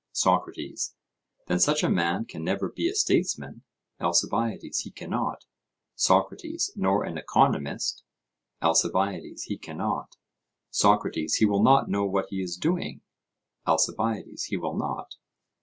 SOCRATES: Then such a man can never be a statesman? ALCIBIADES: He cannot. SOCRATES: Nor an economist? ALCIBIADES: He cannot. SOCRATES: He will not know what he is doing? ALCIBIADES: He will not.